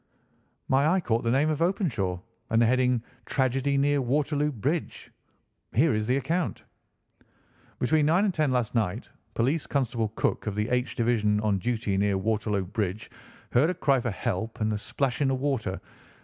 "My eye caught the name of Openshaw, and the heading 'Tragedy Near Waterloo Bridge.' Here is the account: "'Between nine and ten last night Police Constable Cook, of the H Division, on duty near Waterloo Bridge, heard a cry for help and a splash in the water.